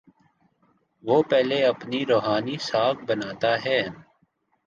پہلے وہ اپنی روحانی ساکھ بناتا ہے۔